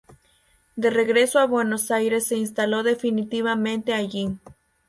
De regreso a Buenos Aires se instaló definitivamente allí.